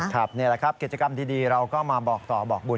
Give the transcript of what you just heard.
นี่แหละครับกิจกรรมดีเราก็มาบอกต่อบอกบุญ